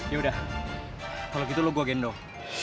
yaudah kalau gitu lo gue gendong